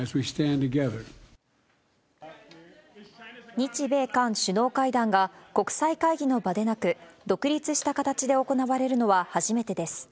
日米韓首脳会談が国際会議の場でなく、独立した形で行われるのは初めてです。